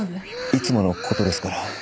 いつものことですから。